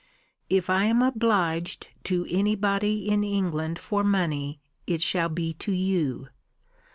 If I am to be obliged to any body in England for money, it shall be to you.